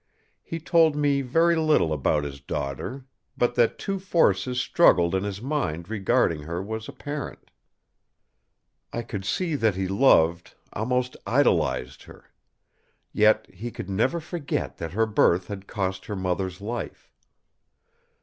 He told me very little about his daughter; but that two forces struggled in his mind regarding her was apparent. I could see that he loved, almost idolised her. Yet he could never forget that her birth had cost her mother's life.